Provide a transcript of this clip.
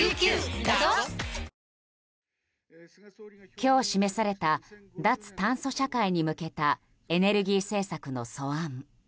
今日示された脱炭素社会に向けたエネルギー政策の素案。